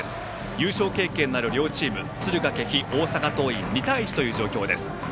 優勝経験のある両チーム敦賀気比、大阪桐蔭２対１という状況です。